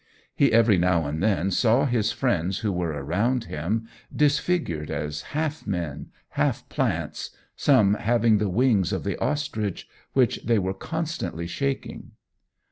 He every now and then saw his friends who were round him, disfigured as half men, half plants, some having the wings of the ostrich, which they were constantly shaking.